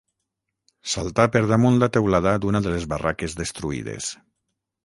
Saltà per damunt la teulada d'una de les barraques destruïdes